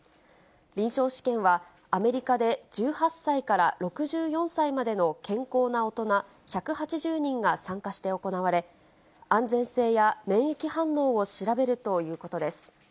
臨床試験は、アメリカで１８歳から６４歳までの健康な大人１８０人が参加して行われ、安全性や免疫反応を調べるということです。